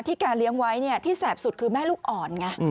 แกเลี้ยงไว้ที่แสบสุดคือแม่ลูกอ่อนไง